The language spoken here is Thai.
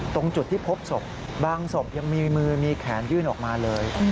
ตรงจุดที่พบศพบางศพยังมีมือมีแขนยื่นออกมาเลย